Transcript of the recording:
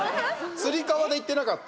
つり革で、いってなかった？